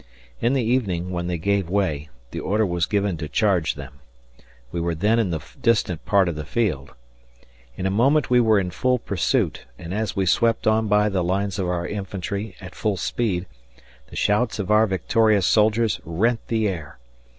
In the evening, when they gave way, the order was given to charge them. We were then in the distant part of the field. In a moment we were in full pursuit, and as we swept on by the lines of our infantry, at full speed, the shouts of our victorious soldiers rent the air.